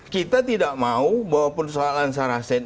kita tidak mau bahwa persoalan sarasen